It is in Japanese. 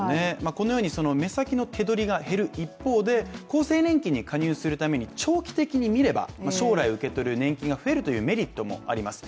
このように目先の手取りが減る一方で厚生年金に加入するために長期的に見れば、将来受け取る年金が増えるというメリットもあります。